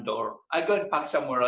saya pergi dan menginap di tempat lain